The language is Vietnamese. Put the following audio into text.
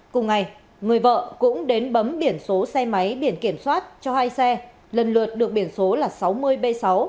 cùng ngày người vợ cũng đến bấm biển số xe máy biển kiểm soát cho hai xe lần lượt được biển số là sáu mươi b sáu trăm tám mươi tám nghìn tám trăm tám mươi sáu